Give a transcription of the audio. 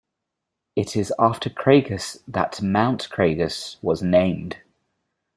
It is after Cragus that Mount Cragus was named.